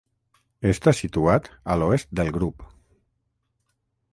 Està situat a l'oest del grup.